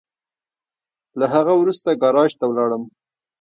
له هغه وروسته ګاراج ته ولاړم.